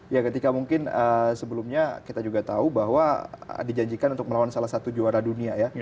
ya ketika mungkin sebelumnya kita juga tahu bahwa dijanjikan untuk melawan salah satu juara dunia ya